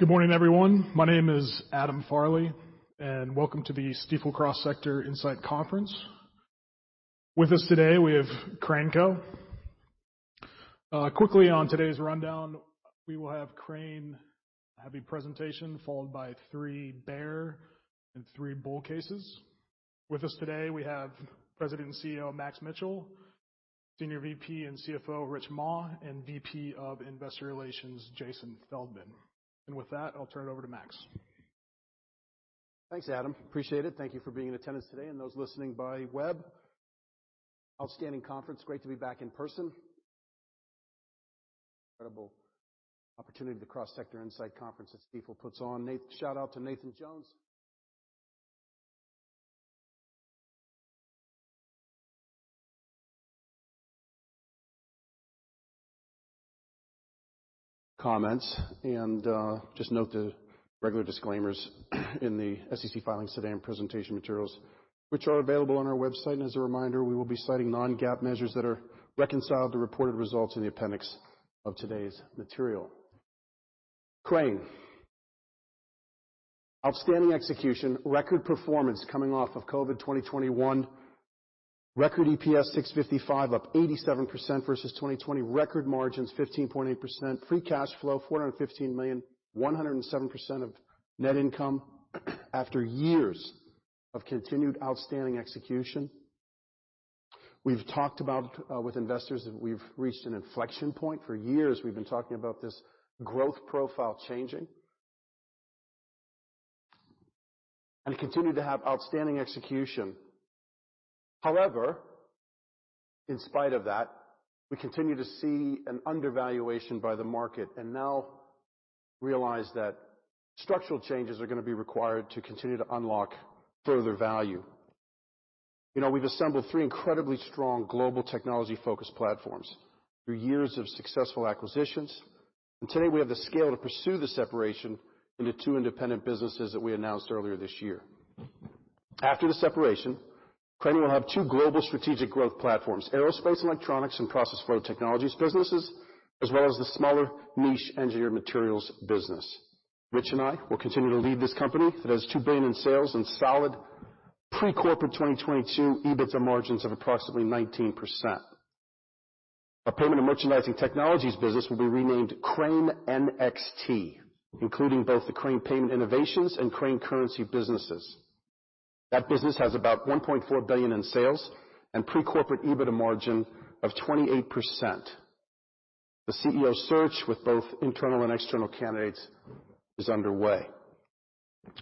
Good morning, everyone. My name is Adam Farley, and welcome to the Stifel Cross Sector Insight Conference. With us today, we have Crane Co. Quickly on today's rundown, we will have Crane have a presentation, followed by three bear and three bull cases. With us today, we have President and CEO, Max Mitchell, Senior VP and CFO, Rich Maue, and VP of Investor Relations, Jason Feldman. With that, I'll turn it over to Max. Thanks, Adam. Appreciate it. Thank you for being in attendance today, and those listening by web. Outstanding conference. Great to be back in person. Incredible opportunity, the Cross Sector Insight Conference that Stifel puts on. Shout out to Nathan Jones. Comments and just note the regular disclaimers in the SEC filings today and presentation materials, which are available on our website. As a reminder, we will be citing non-GAAP measures that are reconciled to reported results in the appendix of today's material. Crane. Outstanding execution. Record performance coming off of COVID 2021. Record EPS $6.55, up 87% versus 2020. Record margins 15.8%. Free cash flow $415 million. 107% of net income. After years of continued outstanding execution, we've talked about with investors that we've reached an inflection point. For years, we've been talking about this growth profile changing. We continue to have outstanding execution. However, in spite of that, we continue to see an undervaluation by the market and now realize that structural changes are gonna be required to continue to unlock further value. We've assembled three incredibly strong global technology-focused platforms through years of successful acquisitions, and today we have the scale to pursue the separation into two independent businesses that we announced earlier this year. After the separation, Crane will have two global strategic growth platforms, Aerospace & Electronics, and Process Flow Technologies businesses, as well as the smaller niche engineered materials business. Rich and I will continue to lead this company that has $2 billion in sales and solid pre-corporate 2022 EBITDA margins of approximately 19%. Our payment and merchandising technologies business will be renamed Crane NXT, including both the Crane Payment Innovations and Crane Currency businesses. That business has about $1.4 billion in sales and a pre-corporate EBITDA margin of 28%. The CEO search with both internal and external candidates is underway.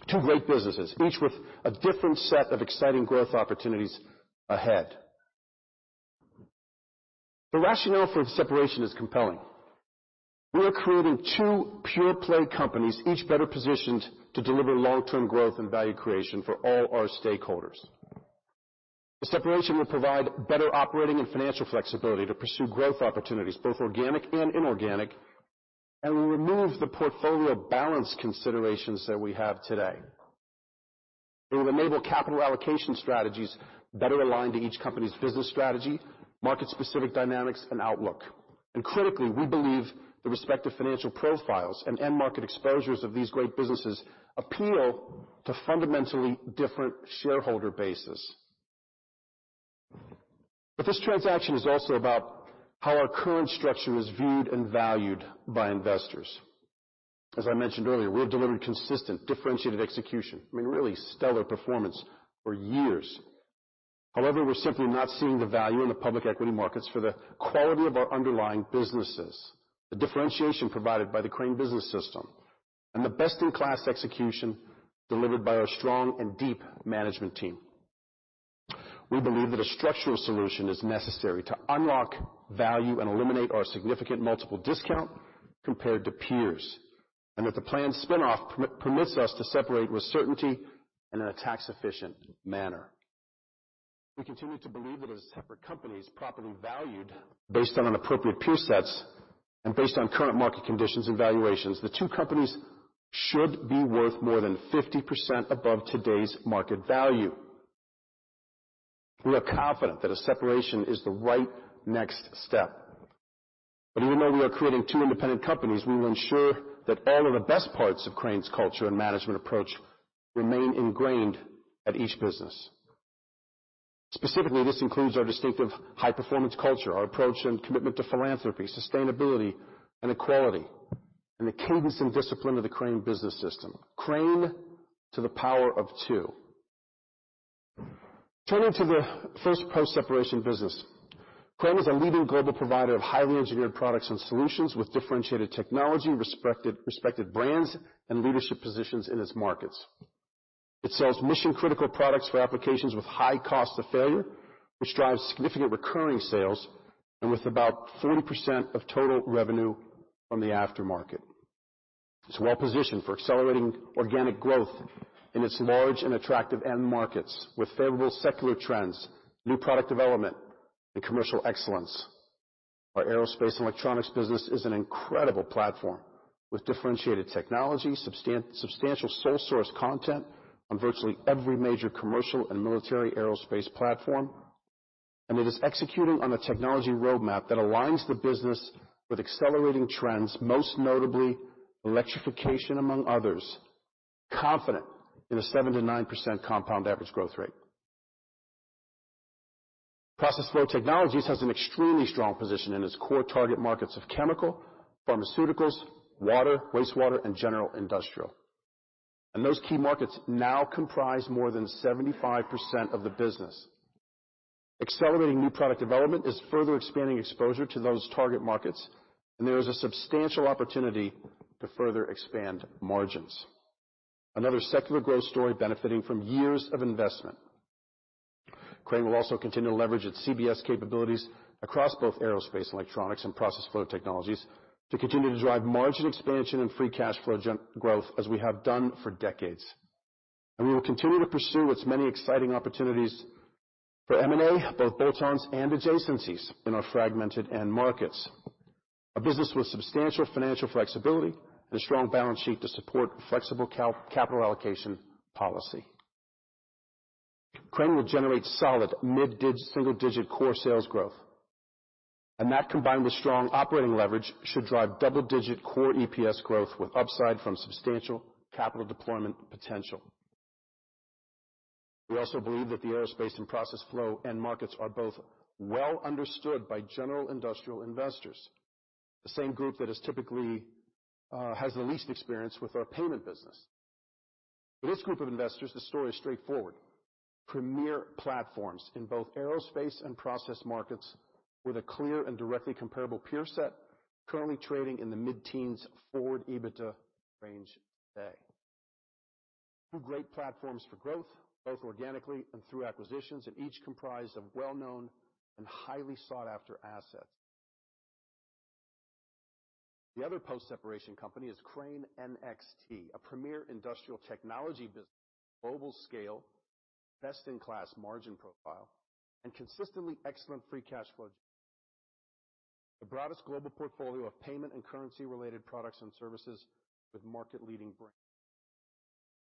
Two great businesses, each with a different set of exciting growth opportunities ahead. The rationale for the separation is compelling. We are creating two pure play companies, each better positioned to deliver long-term growth and value creation for all our stakeholders. The separation will provide better operating and financial flexibility to pursue growth opportunities, both organic and inorganic, and will remove the portfolio balance considerations that we have today. It will enable capital allocation strategies better aligned to each company's business strategy, market-specific dynamics, and outlook. Critically, we believe the respective financial profiles and end market exposures of these great businesses appeal to fundamentally different shareholder bases. This transaction is also about how our current structure is viewed and valued by investors. As I mentioned earlier, we have delivered consistent differentiated execution, I mean, really stellar performance for years. However, we're simply not seeing the value in the public equity markets for the quality of our underlying businesses, the differentiation provided by the Crane Business System, and the best-in-class execution delivered by our strong and deep management team. We believe that a structural solution is necessary to unlock value and eliminate our significant multiple discount compared to peers, and that the planned spin-off permits us to separate with certainty and in a tax-efficient manner. We continue to believe that as separate companies properly valued based on appropriate peer sets and based on current market conditions and valuations, the two companies should be worth more than 50% above today's market value. We are confident that a separation is the right next step. Even though we are creating two independent companies, we will ensure that all of the best parts of Crane's culture and management approach remain ingrained at each business. Specifically, this includes our distinctive high-performance culture, our approach and commitment to philanthropy, sustainability and equality, and the cadence and discipline of the Crane Business System. Crane to the power of two. Turning to the first post-separation business. Crane is a leading global provider of highly engineered products and solutions with differentiated technology, respected brands, and leadership positions in its markets. It sells mission-critical products for applications with a high cost of failure, which drives significant recurring sales, and with about 40% of total revenue from the aftermarket. It's well-positioned for accelerating organic growth in its large and attractive end markets with favorable secular trends, new product development, and commercial excellence. Our Aerospace & Electronics business is an incredible platform with differentiated technology, substantial sole source content on virtually every major commercial and military aerospace platform. It is executing on a technology roadmap that aligns the business with accelerating trends, most notably electrification, among others, confident in a 7%-9% compound average growth rate. Process Flow Technologies has an extremely strong position in its core target markets of chemical, pharmaceuticals, water, wastewater, and general industrial. Those key markets now comprise more than 75% of the business. Accelerating new product development is further expanding exposure to those target markets, and there is a substantial opportunity to further expand margins. Another secular growth story benefiting from years of investment. Crane will also continue to leverage its CBS capabilities across both Aerospace & Electronics and Process Flow Technologies to continue to drive margin expansion and free cash flow growth as we have done for decades. We will continue to pursue many exciting opportunities for M&A, both bolt-ons and adjacencies, in our fragmented end markets. A business with substantial financial flexibility and a strong balance sheet to support a flexible capital allocation policy. Crane will generate solid mid-single-digit core sales growth, and that, combined with strong operating leverage, should drive double-digit core EPS growth with upside from substantial capital deployment potential. We also believe that the Aerospace & Electronics and Process Flow Technologies end markets are both well understood by general industrial investors, the same group that is typically has the least experience with our payment business. For this group of investors, the story is straightforward. Premier platforms in both Aerospace & Electronics and Process Flow Technologies markets with a clear and directly comparable peer set currently trading in the mid-teens forward EBITDA range today. Two great platforms for growth, both organically and through acquisitions, and each comprised of well-known and highly sought-after assets. The other post-separation company is Crane NXT, a premier industrial technology business with global scale, a best-in-class margin profile, and consistently excellent free cash flow. The broadest global portfolio of payment and currency-related products and services with market-leading brands.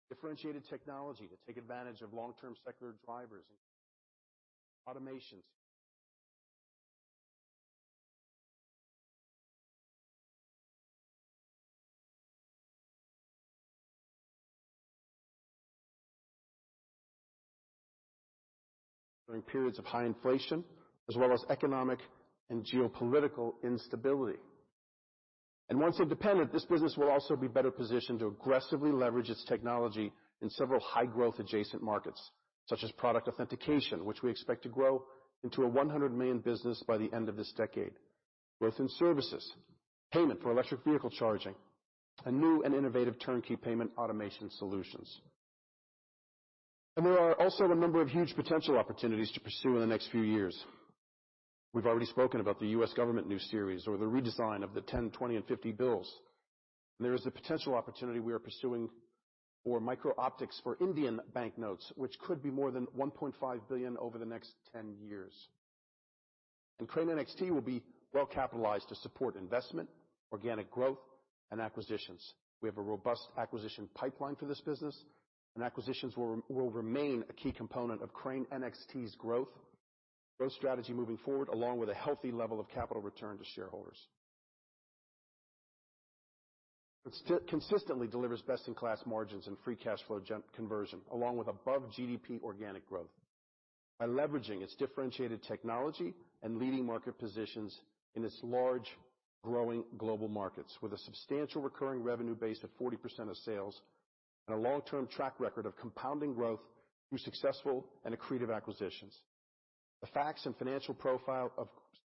Differentiated technology to take advantage of long-term secular drivers such as automation. During periods of high inflation, as well as economic and geopolitical instability. Once independent, this business will also be better positioned to aggressively leverage its technology in several high-growth adjacent markets, such as product authentication, which we expect to grow into a $100 million business by the end of this decade. Growth in services, payment for electric vehicle charging, and new and innovative turnkey payment automation solutions. There are also a number of huge potential opportunities to pursue in the next few years. We've already spoken about the US government's new series or the redesign of the 10, 20, and 50 bills. There is a potential opportunity we are pursuing for micro-optics for Indian banknotes, which could be more than $1.5 billion over the next 10 years. Crane NXT will be well-capitalized to support investment, organic growth, and acquisitions. We have a robust acquisition pipeline for this business, and acquisitions will remain a key component of Crane NXT's growth strategy moving forward, along with a healthy level of capital return to shareholders. Consistently delivers best-in-class margins and free cash flow conversion, along with above GDP organic growth by leveraging its differentiated technology and leading market positions in its large, growing global markets with a substantial recurring revenue base of 40% of sales and a long-term track record of compounding growth through successful and accretive acquisitions. The facts and financial profile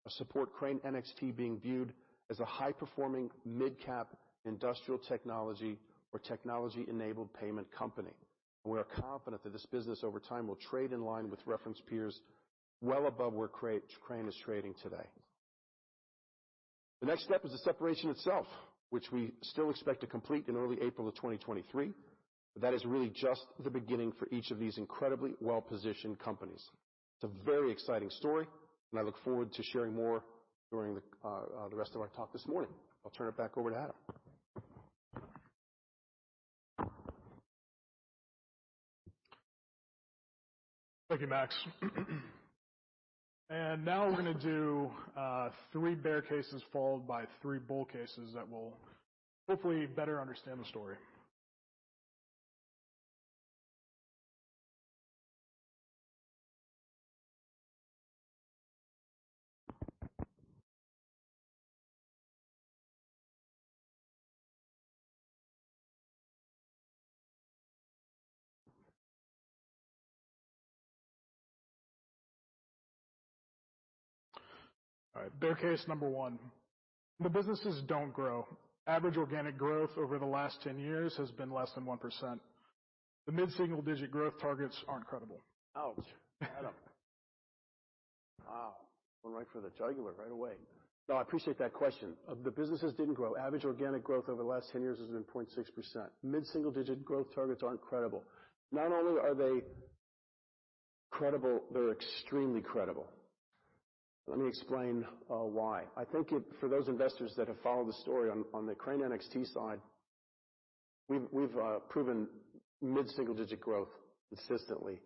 support Crane NXT being viewed as a high-performing midcap industrial technology or technology-enabled payment company. We are confident that this business over time will trade in line with reference peers well above where Crane is trading today. The next step is the separation itself, which we still expect to complete in early April 2023. That is really just the beginning for each of these incredibly well-positioned companies. It's a very exciting story, and I look forward to sharing more during the rest of our talk this morning. I'll turn it back over to Adam. Thank you, Max. Now we're gonna do three bear cases followed by 3 bull cases that will hopefully help us better understand the story. All right. Bear case number one. The businesses don't grow. Average organic growth over the last 10 years has been less than 1%. The mid-single-digit growth targets aren't credible. Ouch. Adam. Wow. Went right for the jugular right away. No, I appreciate that question. The businesses didn't grow. Average organic growth over the last 10 years has been 0.6%. Mid-single-digit growth targets aren't credible. Not only are they credible, but they're extremely credible. Let me explain why. I think it's for those investors who have followed the story on the Crane NXT side. We've proven mid-single-digit growth consistently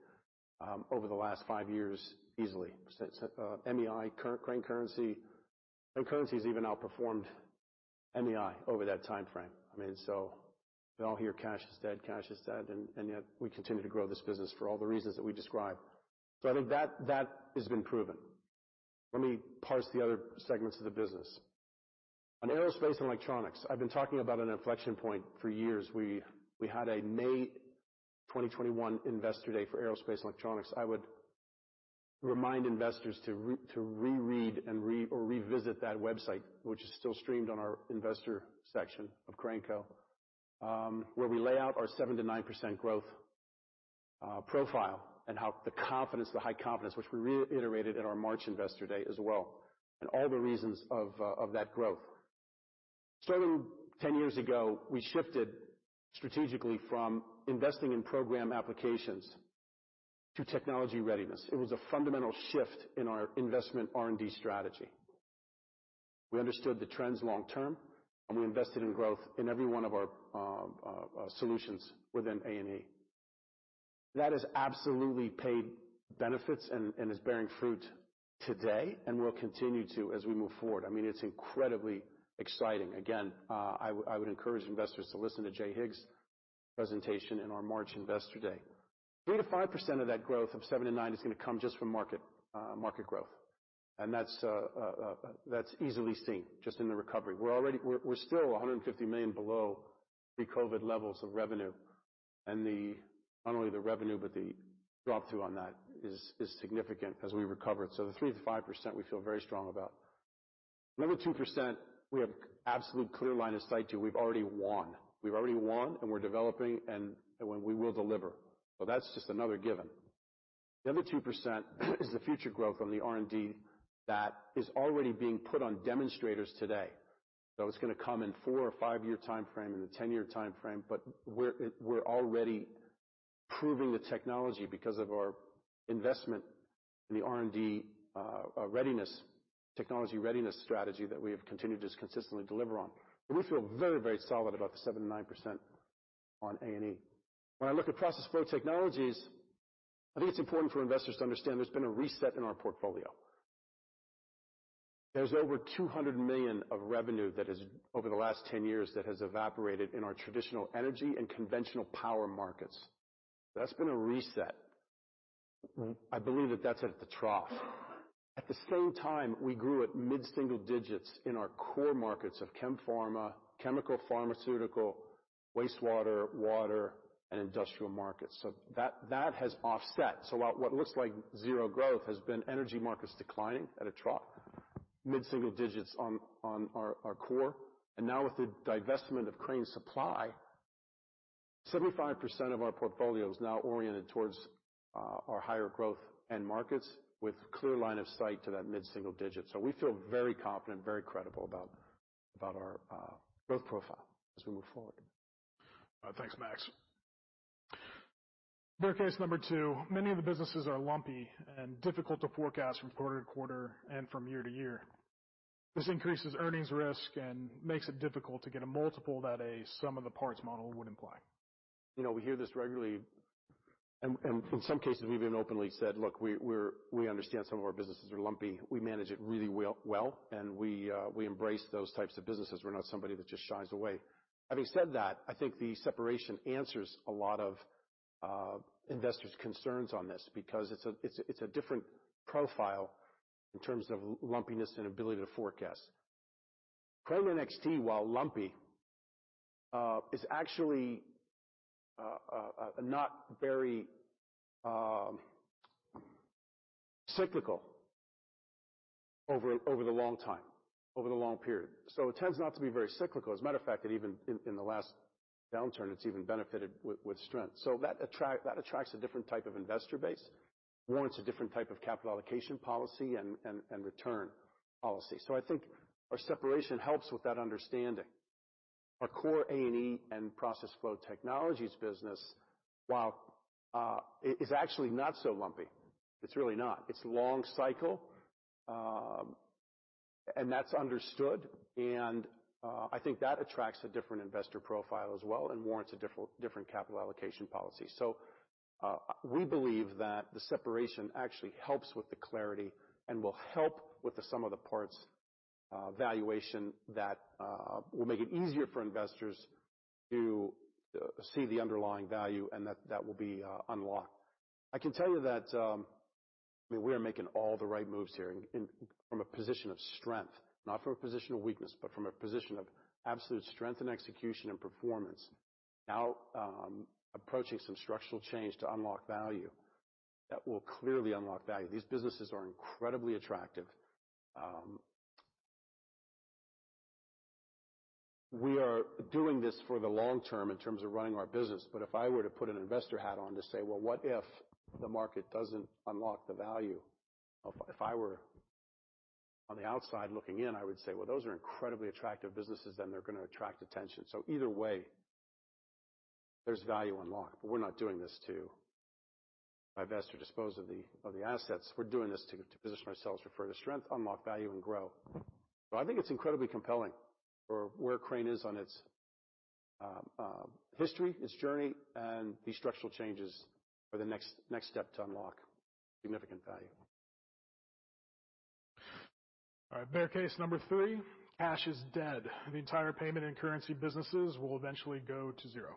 over the last 5 years, easily. So it's MEI, Crane Currency. Their currency has even outperformed MEI over that timeframe. I mean, so we all hear cash is dead, and yet we continue to grow this business for all the reasons that we described. So I think that has been proven. Let me parse the other segments of the business. On Aerospace and Electronics, I've been talking about an inflection point for years. We had a May 2021 investor day for Aerospace and Electronics. I would remind investors to reread or revisit that website, which is still streamed on our investor section of Crane Co., where we lay out our 7%-9% growth profile and how the confidence, the high confidence, which we reiterated in our March investor day as well, and all the reasons of that growth. Starting 10 years ago, we shifted strategically from investing in program applications to technology readiness. It was a fundamental shift in our investment R&D strategy. We understood the trends long term, and we invested in growth in every one of our solutions within A&E. That has absolutely paid benefits and is bearing fruit today and will continue to as we move forward. I mean, it's incredibly exciting. Again, I would encourage investors to listen to Jay Higgs' presentation in our March Investor Day. 3%-5% of that growth of 7%-9% is gonna come just from market growth, and that's easily seen just in the recovery. We're still $150 million below pre-COVID levels of revenue. Not only the revenue, but the drop-through on that is significant as we recover. The 3%-5% we feel very strong about. The other 2% we have absolute clear line of sight to, we've already won, and we're developing, and when we will deliver. That's just another given. The other 2% is the future growth on the R&D that is already being put on demonstrators today. It's gonna come in 4- or 5-year timeframe and a 10-year timeframe, but we're already proving the technology because of our investment in the R&D, readiness, technology readiness strategy that we have continued to consistently deliver on. We feel very, very solid about the 7%-9% on A&E. When I look at Process Flow Technologies, I think it's important for investors to understand there's been a reset in our portfolio. There's over $200 million of revenue that has, over the last 10 years, that has evaporated in our traditional energy and conventional power markets. That's been a reset. I believe that's at the trough. At the same time, we grew at mid-single digits in our core markets of chem-pharma, chemical, pharmaceutical, wastewater, water, and industrial markets. That has offset. What looks like 0% growth has been energy markets declining at a trough, mid-single digits on our core. Now with the divestment of Crane Supply, 75% of our portfolio is now oriented towards our higher growth end markets with clear line of sight to that mid-single digits. We feel very confident, very credible about our growth profile as we move forward. Thanks, Max. Bear case number two, many of the businesses are lumpy and difficult to forecast from quarter to quarter and from year to year. This increases earnings risk and makes it difficult to get a multiple that a sum of the parts model would imply. We hear this regularly and in some cases, we've even openly said, "Look, we understand some of our businesses are lumpy." We manage it really well, and we embrace those types of businesses. We're not somebody who just shies away. Having said that, I think the separation answers a lot of investors' concerns on this because it's a different profile in terms of lumpiness and ability to forecast. Crane NXT, while lumpy, is actually not very cyclical over the long period. So it tends not to be very cyclical. As a matter of fact, even in the last downturn, it has benefited with strength. That attracts a different type of investor base, warrants a different type of capital allocation policy and return policy. I think our separation helps with that understanding. Our core A&E and Process Flow Technologies business, while, is actually not so lumpy. It's really not. It's long cycle, and that's understood, and I think that attracts a different investor profile as well and warrants a different capital allocation policy. We believe that the separation actually helps with the clarity and will help with the sum of the parts valuation that will make it easier for investors to see the underlying value, and that will be unlocked. I can tell you that we are making all the right moves here in from a position of strength, not from a position of weakness, but from a position of absolute strength and execution and performance. Now, approaching some structural change to unlock value that will clearly unlock value. These businesses are incredibly attractive. We are doing this for the long term in terms of running our business, but if I were to put an investor hat on to say, "Well, what if the market doesn't unlock the value?" If I were on the outside looking in, I would say, "Well, those are incredibly attractive businesses, then they're gonna attract attention." Either way, there's value unlocked, but we're not doing this to divest or dispose of the assets. We're doing this to position ourselves for further strength, unlock value, and grow. I think it's incredibly compelling for where Crane is on its history, its journey, and these structural changes are the next step to unlock significant value. All right, bear case number 3, cash is dead. The entire payment and currency businesses will eventually go to zero.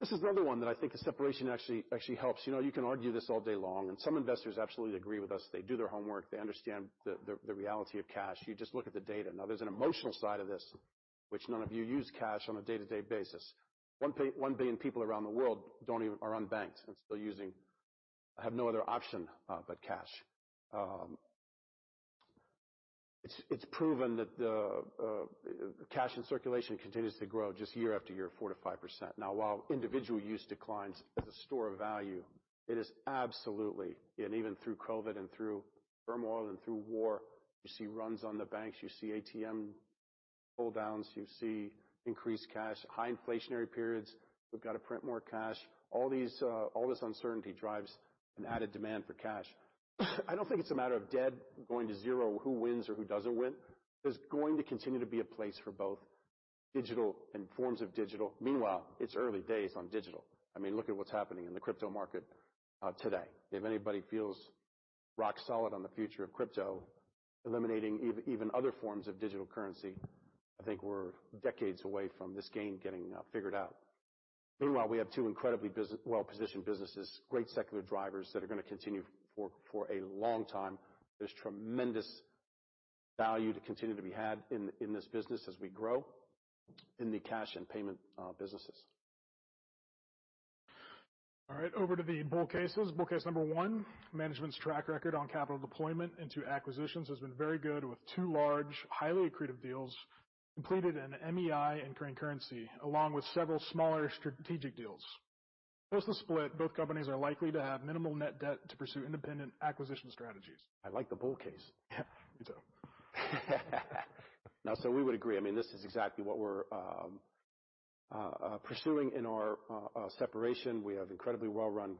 This is another one that I think the separation actually helps. You can argue this all day long, and some investors absolutely agree with us. They do their homework, and they understand the reality of cash. You just look at the data. Now, there's an emotional side to this, which none of you use cash on a day-to-day basis. 1 billion people around the world are unbanked and still use cash. They have no other option but cash. It's proven that the cash in circulation continues to grow just year after year, 4%-5%. Now, while individual use declines as a store of value, it is absolutely, and even through COVID and through turmoil and through war, you see runs on the banks, you see ATM pullouts, you see increased cash. In high inflationary periods, we've got to print more cash. All this uncertainty drives an added demand for cash. I don't think it's a matter of cash going to zero, who wins or who doesn't win. There's going to continue to be a place for both digital and forms of digital. Meanwhile, it's early days on digital. I mean, look at what's happening in the crypto market today. If anybody feels rock solid on the future of crypto, eliminating even other forms of digital currency, I think we're decades away from this game getting figured out. Meanwhile, we have two incredibly well-positioned businesses, great secular drivers that are gonna continue for a long time. There's tremendous value to continue to be had in this business as we grow in the cash and payment businesses. All right, over to the bull cases. Bull case number one, management's track record on capital deployment into acquisitions has been very good with two large, highly accretive deals completed in MEI and Crane Currency, along with several smaller strategic deals. Post the split, both companies are likely to have minimal net debt to pursue independent acquisition strategies. I like the bull case. Me too. No, we would agree. I mean, this is exactly what we're pursuing in our separation. We have incredibly well-run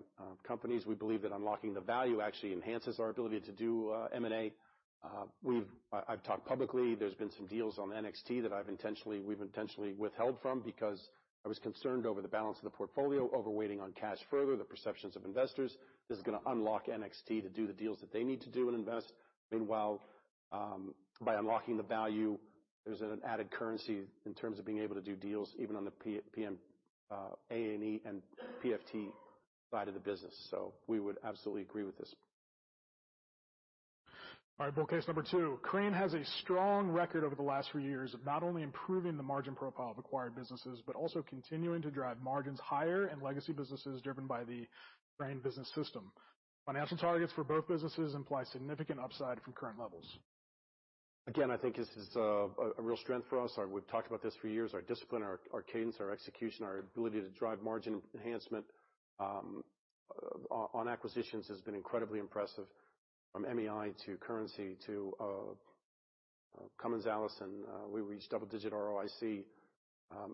companies. We believe that unlocking the value actually enhances our ability to do M&A. We've talked publicly, there's been some deals on NXT that we've intentionally withheld from because I was concerned over the balance of the portfolio, over-weighting on cash further, the perceptions of investors. This is gonna unlock NXT to do the deals that they need to do and invest. Meanwhile, by unlocking the value, there's an added currency in terms of being able to do deals even on the A&E and PFT side of the business. We would absolutely agree with this. All right, bull case number 2. Crane has a strong record over the last few years of not only improving the margin profile of acquired businesses, but also continuing to drive margins higher in legacy businesses driven by the Crane Business System. Financial targets for both businesses imply significant upside from current levels. I think this is a real strength for us. We've talked about this for years. Our discipline, our cadence, our execution, our ability to drive margin enhancement on acquisitions has been incredibly impressive. From MEI to Currency to Cummins Allison, we reached double-digit ROIC.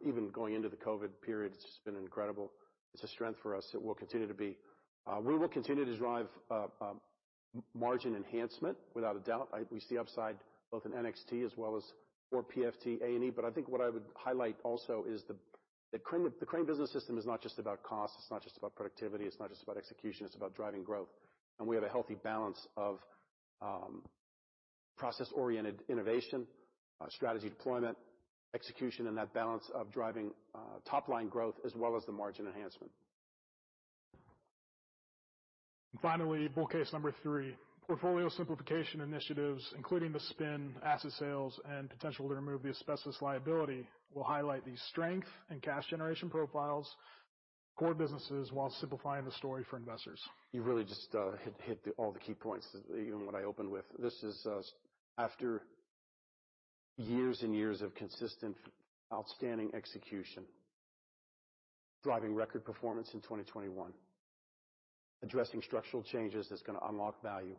Even going into the COVID period, it's just been incredible. It's a strength for us. It will continue to be. We will continue to drive margin enhancement without a doubt. We see upside both in NXT as well as for PFT & A&E. I think what I would highlight also is the Crane Business System is not just about cost, it's not just about productivity, it's not just about execution, it's about driving growth. We have a healthy balance of process-oriented innovation, strategy deployment, execution, and that balance of driving top-line growth as well as the margin enhancement. Finally, bull case number three. Portfolio simplification initiatives, including the spin asset sales and potential to remove the asbestos liability, will highlight the strength and cash generation profiles, core businesses, while simplifying the story for investors. You really just hit all the key points, even what I opened with. This is after years and years of consistent outstanding execution, driving record performance in 2021, addressing structural changes that's gonna unlock value,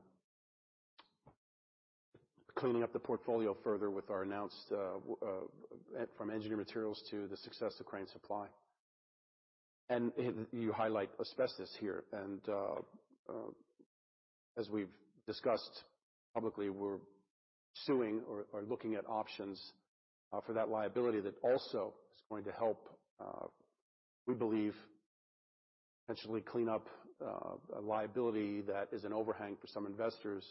cleaning up the portfolio further with our announced from engineering materials to the success of Crane Supply. You highlight asbestos here. As we've discussed publicly, we're suing or looking at options for that liability that also is going to help we believe, potentially clean up a liability that is an overhang for some investors.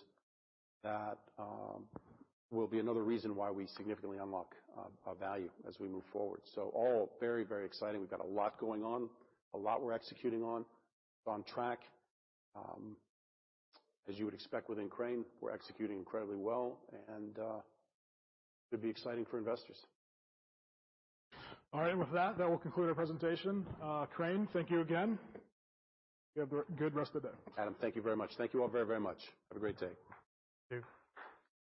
That will be another reason why we significantly unlock value as we move forward. All very, very exciting. We've got a lot going on, a lot we're executing on. On track. As you would expect within Crane, we're executing incredibly well and should be exciting for investors. All right. With that will conclude our presentation. Crane, thank you again. Have a good rest of the day. Adam, thank you very much. Thank you all very, very much. Have a great day. Thank you.